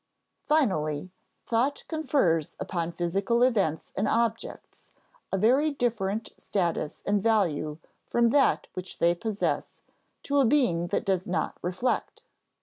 Finally, thought confers upon physical events and objects a very different status and value from that which they possess to a being that does not reflect.